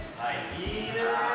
いいね。